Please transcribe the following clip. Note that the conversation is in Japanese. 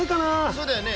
そうだよね。